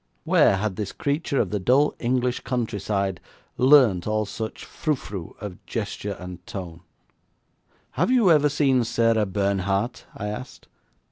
Where had this creature of the dull English countryside learnt all such frou frou of gesture and tone? 'Have you ever seen Sarah Bernhardt?' I asked.